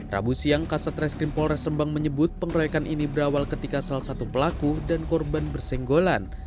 rabu siang kasat reskrim polres rembang menyebut pengeroyokan ini berawal ketika salah satu pelaku dan korban bersenggolan